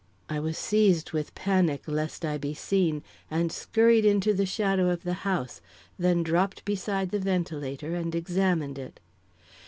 I was seized with panic lest I be seen and scurried into the shadow of the house, then dropped beside the ventilator and examined it.